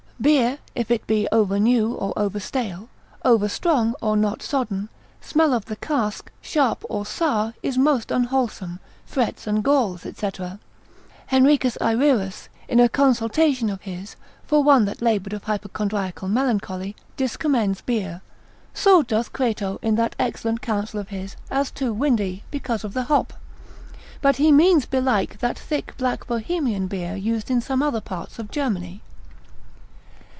] Beer, if it be over new or over stale, over strong, or not sodden, smell of the cask, sharp, or sour, is most unwholesome, frets, and galls, &c. Henricus Ayrerus, in a consultation of his, for one that laboured of hypochondriacal melancholy, discommends beer. So doth Crato in that excellent counsel of his, Lib. 2. consil. 21, as too windy, because of the hop. But he means belike that thick black Bohemian beer used in some other parts of Germany.